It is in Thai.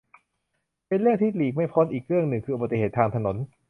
เรื่องที่หลีกไม่พ้นอีกเรื่องหนึ่งคืออุบัติเหตุทางถนน